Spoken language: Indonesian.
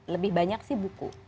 lebih banyak sih buku